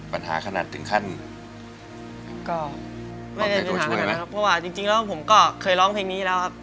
ปัญหาขนาดถึงขั้นก็ไม่ได้ตัวช่วยนะครับเพราะว่าจริงจริงแล้วผมก็เคยร้องเพลงนี้แล้วครับ